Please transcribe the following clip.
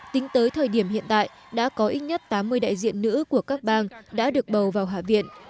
tính tới thời điểm hiện tại đã có ít nhất tám mươi đại diện nữ của các bang đã được bầu vào hạ viện